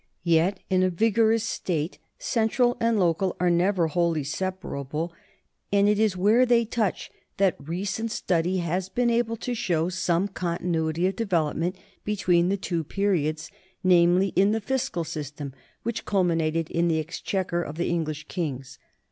Yet in a vigorous state central and local are never wholly separable, and it is where they touch that re cent study has been able to show some continuity of development between the two periods, namely in the fiscal system which culminated in the exchequer of the English kings.